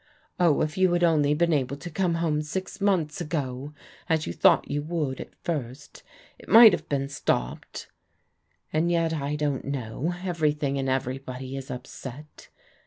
Oh, if you had only been able to come home six months ago, as you thought you would at first, it might have been stopped. And yet I don't know, everything and everybody is upset.